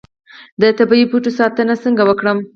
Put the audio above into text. د طبیعي بوټو ساتنه څنګه وکړم؟